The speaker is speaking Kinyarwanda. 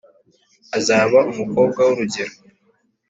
Uzabe umukobwa w’urugero